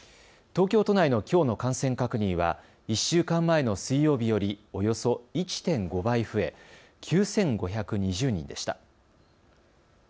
東京都内のきょうの感染確認は１週間前の水曜日よりおよそ１．５倍増え、９５２０人でした。